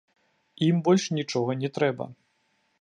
Ім больш нічога не трэба.